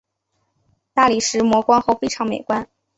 大理石磨光后非常美观。